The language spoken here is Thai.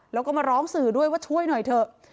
แล้วก็มาร้องสื่อด้วยว่าช่วยหน่อยเถอะ